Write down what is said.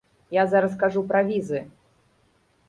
Я зараз кажу пра візы.